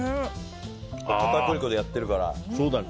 片栗粉でやってるから。